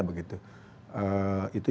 itu yang penting